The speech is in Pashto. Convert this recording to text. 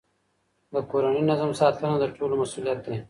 د کورني نظم ساتنه د ټولو مسئولیت دی.